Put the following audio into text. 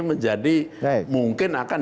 menjadi mungkin akan